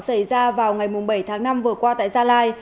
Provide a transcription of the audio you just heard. xảy ra vào ngày bảy tháng năm vừa qua tại gia lai